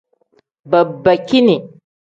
Babakini.